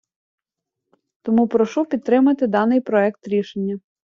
Тому прошу підтримати даний проект рішення.